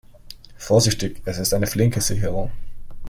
Vorsichtig, es ist eine flinke Sicherung.